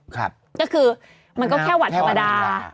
ก็คือมันก็แค่หวัดธรรมดา